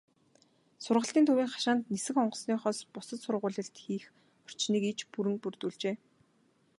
Сургалтын төвийн хашаанд нисэх онгоцныхоос бусад сургуулилалт хийх орчныг иж бүрэн бүрдүүлжээ.